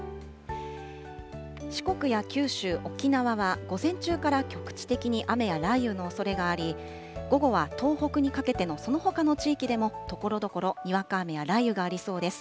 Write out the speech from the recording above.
四国や九州、沖縄は午前中から局地的に雨や雷雨のおそれがあり、午後は東北にかけてのそのほかの地域でもところどころ、にわか雨や雷雨がありそうです。